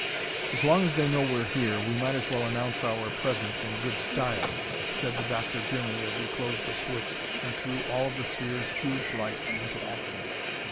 "As long as they know we're here, we might as well announce our presence in good style," said the doctor grimly as he closed a switch and threw all of the sphere's huge lights into action.